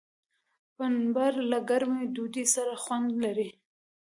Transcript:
پنېر له ګرمې ډوډۍ سره خوند لري.